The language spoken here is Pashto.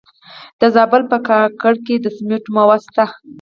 د زابل په کاکړ کې د سمنټو مواد شته.